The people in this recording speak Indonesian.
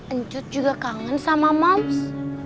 encut juga kangen sama moms